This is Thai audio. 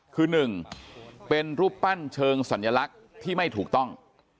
คือ๑เป็นรูปปั้นเชิงสัญลักษณ์ที่ไม่ถูกต้อง